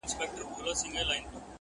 پر موږ راغلې توره بلا ده.!